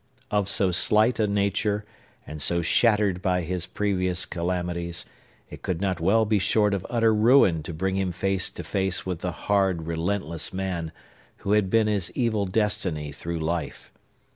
Of so slight a nature, and so shattered by his previous calamities, it could not well be short of utter ruin to bring him face to face with the hard, relentless man who had been his evil destiny through life.